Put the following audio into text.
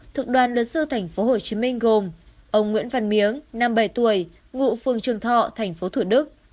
thuộc đoàn luật sư tp hcm gồm ông nguyễn văn miếng năm mươi bảy tuổi ngụ phường trường thọ tp thủ đức